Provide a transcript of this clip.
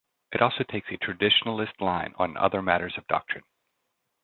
It also takes a traditionalist line on other matters of doctrine.